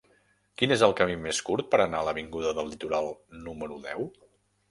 Quin és el camí més curt per anar a l'avinguda del Litoral número deu?